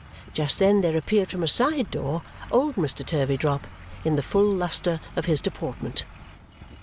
Just then there appeared from a side door old Mr. Turveydrop, in the full lustre of his deportment.